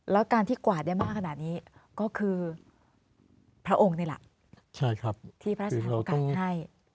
แล้วการที่กว่าได้มากขนาดนี้ก็คือพระองค์ในหลักใช่ครับที่พระราชธรรมการให้